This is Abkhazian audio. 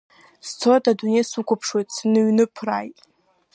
Сцоит, адунеи сықәԥшуеит, иныҩныԥрааит.